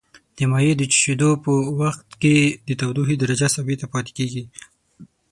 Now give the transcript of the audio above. د مایع د جوشیدو په وقت کې د تودوخې درجه ثابته پاتې کیږي.